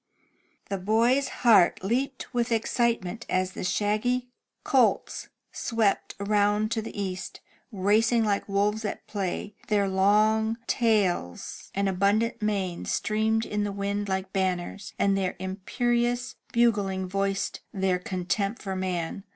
The boy's heart leaped with excitement as the shaggy colts swept round to the east, racing like wolves at play. Their long tails 187 MY BOOK HOUSE and abundant manes streamed in the wind like banners, and their imperious bugling voiced their contempt for man.